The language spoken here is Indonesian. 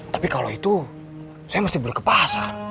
tapi kalau itu saya mesti beli ke pasar